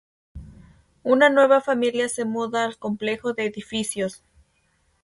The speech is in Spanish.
Una nueva familia se muda al complejo de edificios.